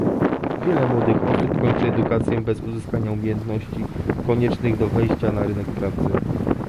Wiele młodych osób kończy edukację bez uzyskania umiejętności koniecznych do wejścia na rynek pracy